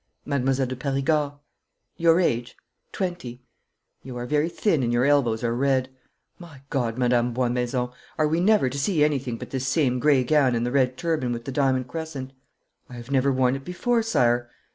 'Mademoiselle de Perigord.' 'Your age?' 'Twenty.' 'You are very thin and your elbows are red. My God, Madame Boismaison, are we never to see anything but this same grey gown and the red turban with the diamond crescent?' 'I have never worn it before, sire?'